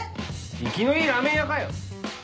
生きのいいラーメン屋かよ！